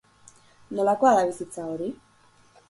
Nolakoa da bizitza hori?